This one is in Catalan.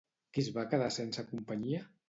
Qui es va quedar sense companyia?